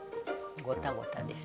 ゴタゴタです。